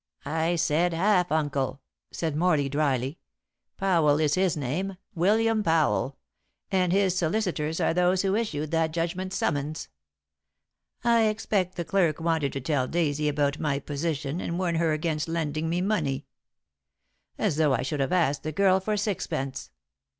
"I said half uncle," said Morley dryly. "Powell is his name William Powell and his solicitors are those who issued that judgment summons. I expect the clerk wanted to tell Daisy about my position and warn her against lending me money. As though I should have asked the girl for sixpence!"